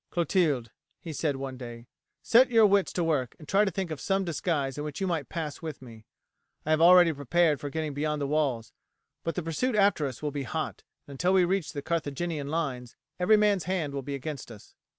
"Clotilde," he said one day, "set your wits to work and try and think of some disguise in which you might pass with me. I have already prepared for getting beyond the walls; but the pursuit after us will be hot, and until we reach the Carthaginian lines every man's hand will be against us."